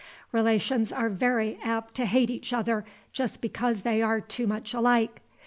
Relations are very apt to hate each other just because they are too much alike.